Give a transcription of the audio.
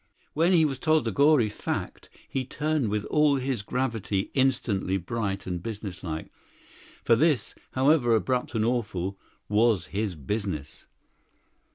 When he was told the gory fact, he turned with all his gravity instantly bright and businesslike; for this, however abrupt and awful, was his business.